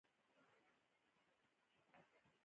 د ښــــــــایست ذکر یې نیولی د یار خیال یې دم ګړی دی